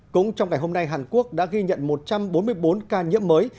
cũng trong ngày hôm nay hàn quốc đã ghi nhận một trăm bốn mươi bốn ca nhiễm mới